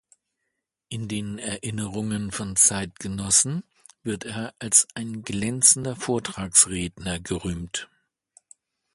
In den Erinnerungen von Zeitgenossen wird er als ein glänzender Vortragsredner gerühmt.